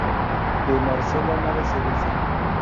De Marcela nada se dice.